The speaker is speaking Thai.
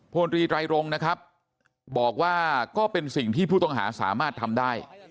พลตรีไตรรงนะครับบอกว่าก็เป็นสิ่งที่ผู้ต้องหาสามารถทำได้